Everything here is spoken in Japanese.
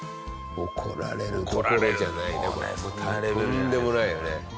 とんでもないよね。